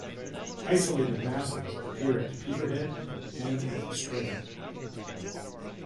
Isolated masses appear at Peterhead and at Strichen.